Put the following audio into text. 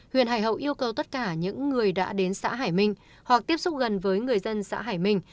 huyện hải hậu yêu cầu tất cả những người đã đến xã hải minh hoặc tiếp xúc gần với người dân xã hải minh